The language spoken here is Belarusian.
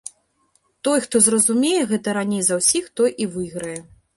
Той, хто зразумее гэта раней за ўсіх, той і выйграе.